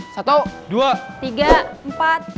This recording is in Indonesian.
satu dua tiga empat